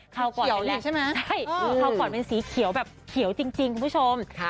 เขาก่อนเป็นแหละเขาก่อนเป็นสีเขียวแบบเขียวจริงคุณผู้ชม